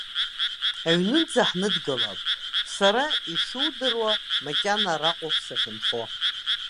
Аҩнынӡа ҳныдгылап, сара ишудыруа, макьана араҟоуп сахьынхо.